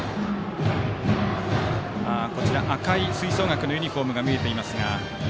赤い吹奏楽部のユニフォームが見えています。